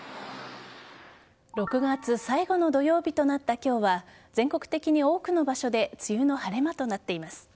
６月最後の土曜日となった今日は全国的に多くの場所で梅雨の晴れ間となっています。